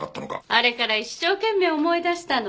あれから一生懸命思い出したの。